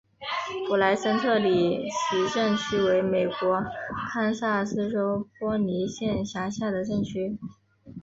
普莱森特里奇镇区为美国堪萨斯州波尼县辖下的镇区。